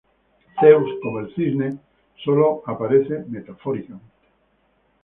Zeus, como el cisne, sólo aparece metafóricamente.